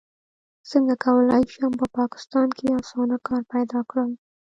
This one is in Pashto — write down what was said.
څنګه کولی شم په پاکستان کې اسانه کار پیدا کړم